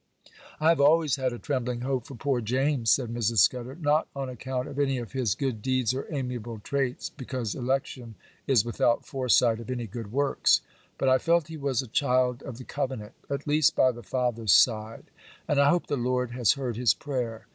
'I have always had a trembling hope for poor James,' said Mrs. Scudder,—'not on account of any of his good deeds or amiable traits, because election is without foresight of any good works,—but I felt he was a child of the covenant, at least by the father's side, and I hope the Lord has heard his prayer.